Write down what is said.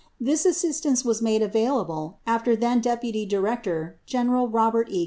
This assistance was made available after then Dep uty Director General Robert E.